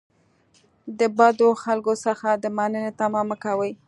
د بدو خلکو څخه د مننې تمه مه کوئ.